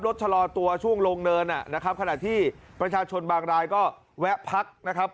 ชะลอตัวช่วงลงเนินนะครับขณะที่ประชาชนบางรายก็แวะพักนะครับ